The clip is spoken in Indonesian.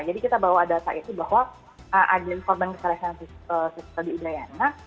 jadi kita bawa data itu bahwa ada korban kekerasan seksual di udayana